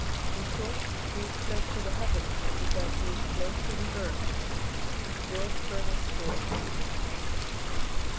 In short, he is close to the heavens because he is close to the earth. ' George Bernard Shaw.''